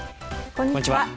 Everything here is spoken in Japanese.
こんにちは。